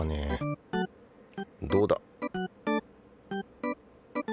どうだ。